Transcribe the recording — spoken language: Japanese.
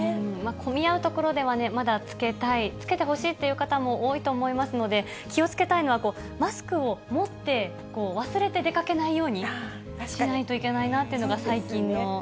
混み合う所ではね、まだ着けたい、着けてほしいという方も多いと思いますので、気をつけたいのは、マスクを持って、忘れて出かけないようにしないといけないなというのが、最近の。